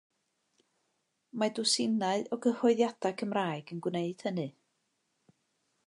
Mae dwsinau o gyhoeddiadau Cymraeg yn gwneud hynny.